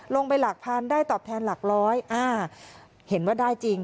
หลักพันได้ตอบแทนหลักร้อยอ่าเห็นว่าได้จริง